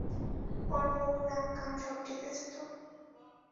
ওর মুখ, নাক, কান সব ঠিক আছে তো?